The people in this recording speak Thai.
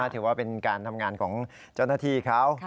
ถือว่าเป็นการทำงานของเจ้าหน้าที่เขา